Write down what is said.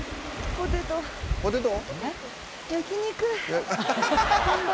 ポテト？